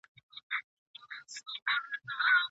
ايا تاسې د ناوي ولور ادا کړی دی؟